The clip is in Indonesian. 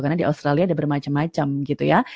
karena di australia ada bermacam macam gitu ya